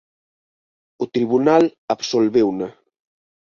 O tribunal absolveuna.